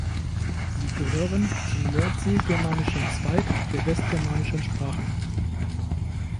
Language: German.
Sie gehören zum nordseegermanischen Zweig der westgermanischen Sprachen.